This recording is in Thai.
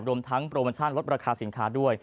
รวมทั้งโปรโมชั่นลดราคาสินค้าด้วย